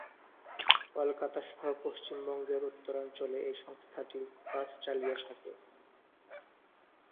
কলকাতা সহ পশ্চিমবঙ্গের উত্তরাঞ্চলে এই সংস্থাটি বাস চালিয়ে থাকে।